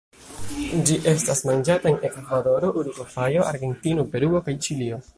Ĝi estas manĝata en Ekvadoro, Urugvajo, Argentino, Peruo kaj Ĉilio.